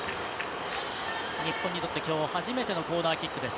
日本にとってきょう初めてのコーナーキックです。